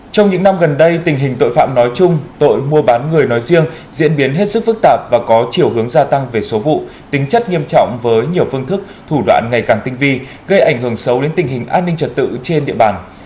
trong những năm gần đây tình hình tội phạm nói chung tội mua bán người nói riêng diễn biến hết sức phức tạp và có chiều hướng gia tăng về số vụ tính chất nghiêm trọng với nhiều phương thức thủ đoạn ngày càng tinh vi gây ảnh hưởng xấu đến tình hình an ninh trật tự trên địa bàn